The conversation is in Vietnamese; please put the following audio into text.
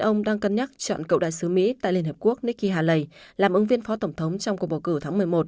ông đang cân nhắc chọn cựu đại sứ mỹ tại liên hợp quốc nikki haley làm ứng viên phó tổng thống trong cuộc bầu cử tháng một mươi một